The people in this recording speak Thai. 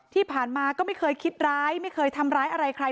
ที่ผ่านมาก็ไม่เคยคิดร้ายไม่เคยทำร้ายอะไรใคร